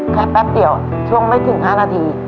แป๊บเดียวช่วงไม่ถึง๕นาที